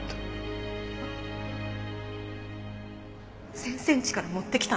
先生んちから持ってきたの？